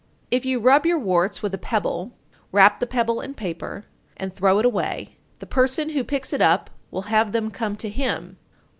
If you rub your warts with a pebble, wrap the pebble in paper, and throw it away; the person who picks it up will have them come to him.